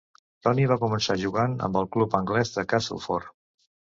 Tony va començar jugant amb el club anglès de Castleford.